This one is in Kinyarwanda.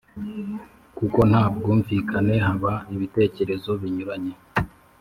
kuko nta bwumvikane haba ibitekerezo binyuranye.